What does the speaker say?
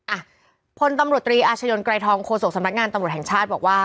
อ่ะพลตำรวจตรีอาชญนไกรทองโฆษกสำนักงานตำรวจแห่งชาติบอกว่า